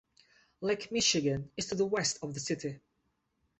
Lake Michigan is to the west of the city.